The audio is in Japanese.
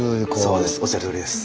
そうですおっしゃるとおりです。